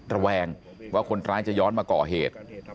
ระแวงว่าคนร้ายจะย้อนมาก่อเหตุ